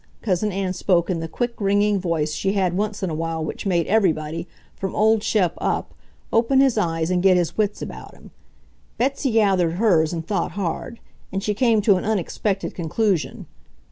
Cousin Ann spoke in the quick, ringing voice she had once in a while which made everybody, from old Shep up, open his eyes and get his wits about him. Betsy gathered hers and thought hard; and she came to an unexpected conclusion.